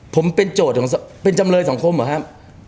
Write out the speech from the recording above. ผมเป็นโจทย์เป็นจำเลยสังคมเหรอครับ